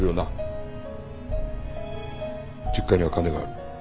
実家には金がある。